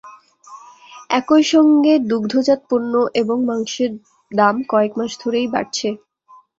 একই সঙ্গে দুগ্ধজাত পণ্য এবং মাংসের দাম কয়েক মাস ধরেই বাড়ছে।